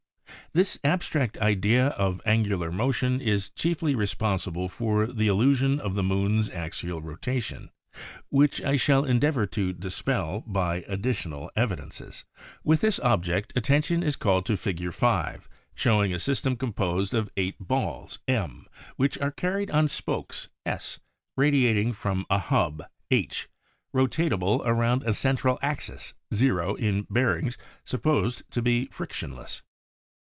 This abstract idea of angular motion is chiefly responsible for the illusion of the moon's axial rotation, which I shall en deavor to dispel by additional evidences. With this object attention is called to Fig. 5 showing a system composed of eight balls M, which are carried on spokes S, radiating from a hub H, rotatable around a central axis 0 in bearings supposed to be frictionless.